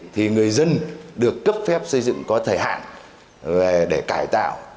thì người dân được cấp phép xây dựng có thời hạn để cải tạo